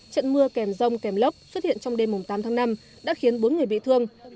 trận mưa kèm rông kèm lốc xuất hiện trong đêm tám tháng năm đã khiến bốn người bị thương